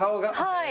はい。